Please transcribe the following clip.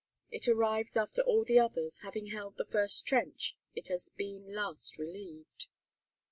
It arrives after all the others; having held the first trench, it has been last relieved.